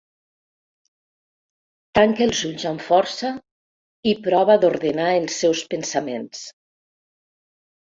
Tanca els ulls amb força i prova d'ordenar els seus pensaments.